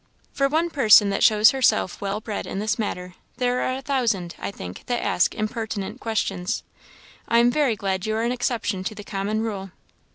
For one person that shows herself well bred in this matter, there are a thousand, I think, that ask impertinent questions. I am very glad you are an exception to the common rule.